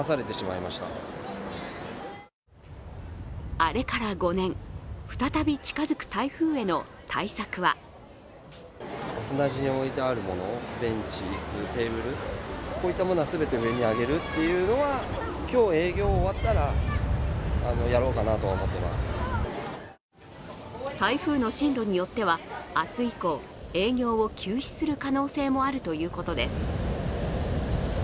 あれから５年、再び近づく台風への対策は台風の進路によっては、明日以降営業を休止する可能性もあるということです。